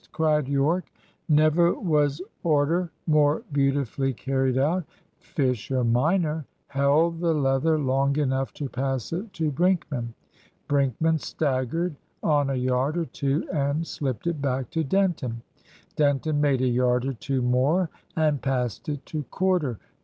cried Yorke. Never was order more beautifully carried out, Fisher minor held the leather long enough to pass it to Brinkman. Brinkman staggered on a yard or two and slipped it back to Denton. Denton made a yard or two more and passed it to Corder.